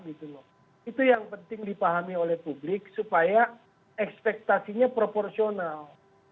itu yang penting dipahami oleh publik supaya ekspektasinya proporsional